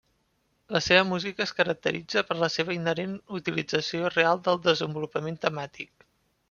La seva música es caracteritza per la seva inherent utilització real del desenvolupament temàtic.